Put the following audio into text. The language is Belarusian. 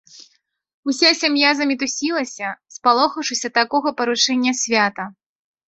Уся сям'я замітусілася, спалохаўшыся такога парушэння свята.